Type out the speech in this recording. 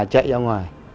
chạy ra ngoài